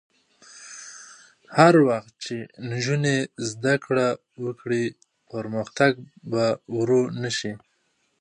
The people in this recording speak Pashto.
هر وخت چې نجونې زده کړه وکړي، پرمختګ به ورو نه شي.